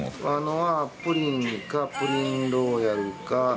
プリンかプリンローヤルか。